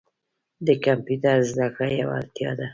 د کمپیوټر زده کړه یوه اړتیا ده.